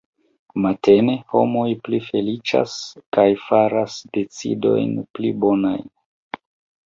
Matene, homoj pli feliĉas kaj faras decidojn pli bonajn.